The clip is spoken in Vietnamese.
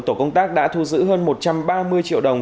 tổ công tác đã thu giữ hơn một trăm ba mươi triệu đồng